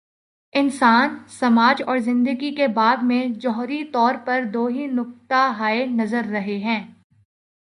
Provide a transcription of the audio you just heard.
انسان، سماج اور زندگی کے باب میں، جوہری طور پر دو ہی نقطہ ہائے نظر رہے ہیں۔